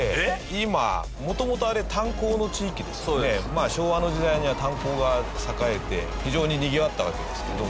元々あれ炭鉱の地域ですので昭和の時代には炭鉱が栄えて非常ににぎわったわけですけど。